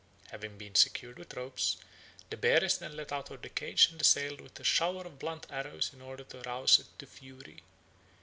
Having been secured with ropes, the bear is then let out of the cage and assailed with a shower of blunt arrows in order to arouse it to fury.